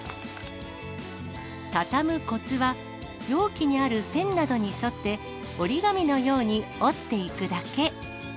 畳むこつは、容器にある線などに沿って、折り紙のように折っていくだけ。